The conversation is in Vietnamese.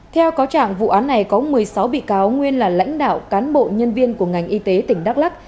theo cáo trạng vụ án này có một mươi sáu bị cáo nguyên là lãnh đạo cán bộ nhân viên của ngành y tế tỉnh đắk lắc